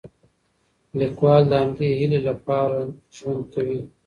لیکوال د همدې هیلې لپاره ژوند کوي.